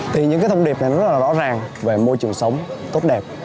thì những cái thông điệp này rất là rõ ràng về môi trường sống tốt đẹp